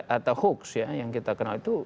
atau hoax ya yang kita kenal itu